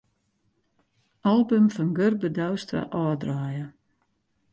Album fan Gurbe Douwstra ôfdraaie.